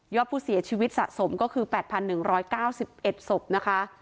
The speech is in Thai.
อดผู้เสียชีวิตสะสมก็คือ๘๑๙๑ศพนะคะ